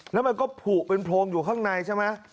แล้วมันก็ผูกเป็นโพรงอยู่ข้างในใช่ไหม